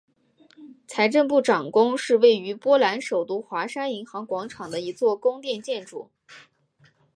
财政部长宫是位于波兰首都华沙银行广场的一座宫殿建筑。